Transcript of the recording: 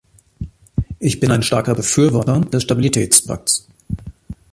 Ich bin ein starker Befürworter des Stabilitätspakts.